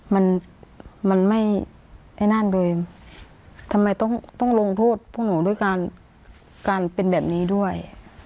มันมันไม่ไอ้นั่นโดยทำไมต้องต้องลงโทษพวกหนูด้วยการการเป็นแบบนี้ด้วย